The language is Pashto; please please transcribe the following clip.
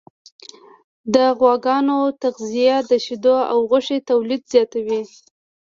د غواګانو تغذیه د شیدو او غوښې تولید زیاتوي.